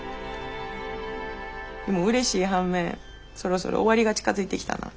でもうれしい反面そろそろ終わりが近づいてきたなあ。